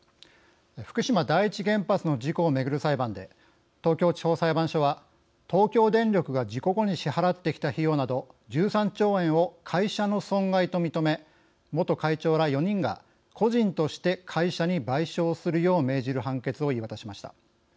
福島第一原発の事故を巡る裁判で東京地方裁判所は東京電力が事故後に支払ってきた費用など１３兆円を会社の損害と認め元会長ら４人が個人として会社に賠償するよう命じる判決を言い渡しました。